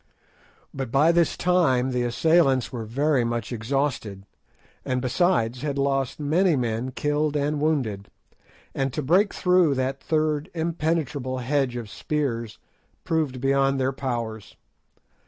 But by this time the assailants were much exhausted, and besides had lost many men killed and wounded, and to break through that third impenetrable hedge of spears proved beyond their powers.